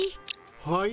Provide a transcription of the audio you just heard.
はい？